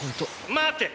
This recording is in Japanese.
待て！